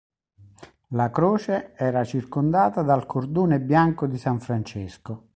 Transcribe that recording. La croce era circondata dal cordone bianco di San Francesco.